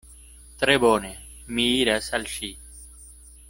Tre bone, mi iras al ŝi.